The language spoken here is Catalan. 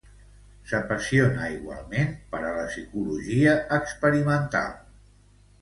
S'apassiona igualment per a la psicologia experimental.